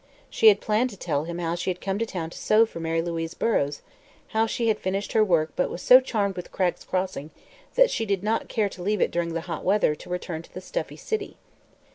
She had planned to tell him how she had come to town to sew for Mary Louise Burrows, how she had now finished her work but was so charmed with Cragg's Crossing that she did not care to leave it during the hot weather to return to the stuffy city.